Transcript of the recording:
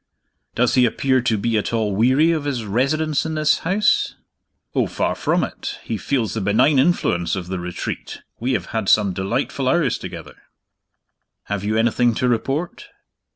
"Does he appear to be at all weary of his residence in this house?" "Oh, far from it! He feels the benign influence of The Retreat; we have had some delightful hours together." "Have you anything to report?"